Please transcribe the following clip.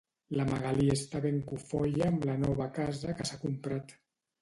La Magalí està ben cofoia amb la nova casa que s'ha comprat